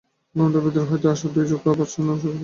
ঘোমটার ভিতর হইতে আশার দুই চক্ষু আবার ভর্ৎসনা বর্ষণ করিল।